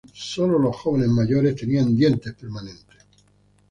Solo los jóvenes mayores tenían dientes permanentes.